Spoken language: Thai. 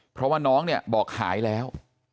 เพราะว่าน้องบอกหายแล้ว